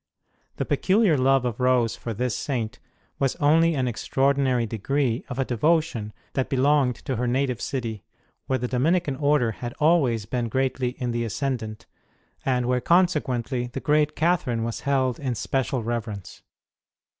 The peculiar love of Rose for this Saint was only an extraordinary degree of a devotion that belonged to her native city, where the Dominican Order had always been greatly in the ascendant, and where consequently the great Catherine was held in special reverence.